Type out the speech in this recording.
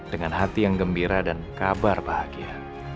dengan hati yang gembira dan kabar bahagia